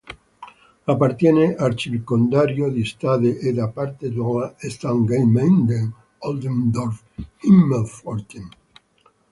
Appartiene al circondario di Stade ed è parte della Samtgemeinde Oldendorf-Himmelpforten.